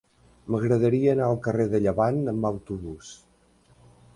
M'agradaria anar al carrer de Llevant amb autobús.